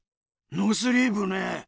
ノースリーブね。